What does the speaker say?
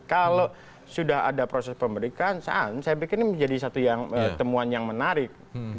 kalau sudah ada proses pemeriksaan saya pikir ini menjadi satu yang temuan yang menarik